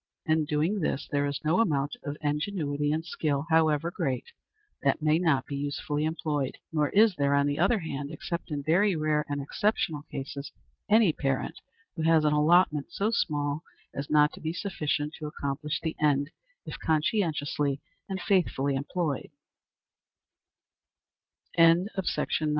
In doing this, there is no amount of ingenuity and skill, however great, that may not be usefully employed; nor is there, on the other hand, except in very rare and exceptional cases, any parent who has an allotment so small as not to be sufficient to accomplish the end, if conscientiously and faithfully employed. CHAPTER VIII.